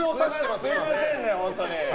すみませんね、本当に。